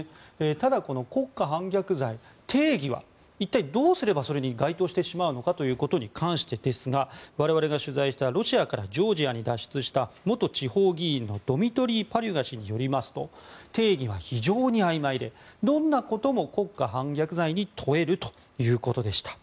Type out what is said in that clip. ただ、この国家反逆罪定義は一体どうすれば、それに該当してしまうのかということに関してですが我々が取材したロシアからジョージアに脱出した元地方議員のドミトリー・パリュガ氏によりますと定義は非常にあいまいでどんなことも国家反逆罪に問えるということでした。